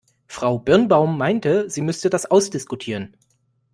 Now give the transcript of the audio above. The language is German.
Frau Birnbaum meinte, sie müsste das ausdiskutieren.